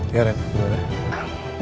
ya ren boleh